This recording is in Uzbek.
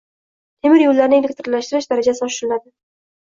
Temir yo‘llarni elektrlashtirish darajasi oshiriladi.